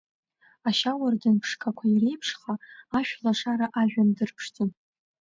Ашьауардын ԥшқақәа иреиԥшха, Ашәлашара ажәҩан дырԥшӡон.